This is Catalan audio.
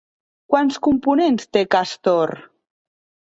Quants components té Castor?